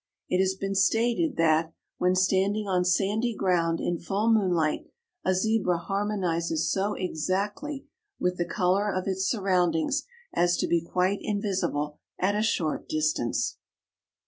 It has been stated that, when standing on sandy ground in full moonlight, a Zebra harmonizes so exactly with the color of its surroundings as to be quite invisible at a short distance."